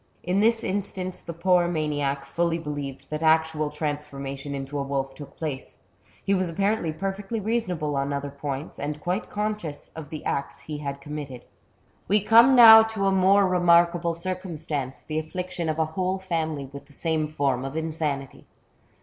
In this instance the poor maniac fully believed that actual transformation into a wolf took place ; he was apparently perfectly reasonable on other points, and quite conscious of the acts he had committed. We come now to a more remarkable circumstance, the affliction of a whole family with the same form of insanity.